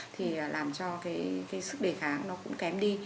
thì làm cho cái sức đề kháng nó cũng kém đi